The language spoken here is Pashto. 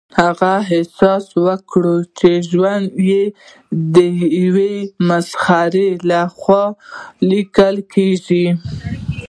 هغه احساس کاوه چې ژوند یې د یو مسخره لخوا لیکل کیږي